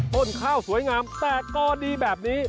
ต้นข้าวสวยงามแตกกอดีแบบนี้